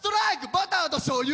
バターと醤油。